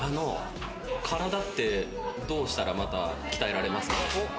体ってどうしたら、また鍛えられますかね？